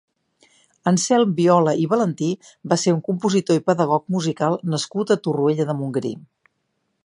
Anselm Viola i Valentí va ser un compositor i pedagog musical nascut a Torroella de Montgrí.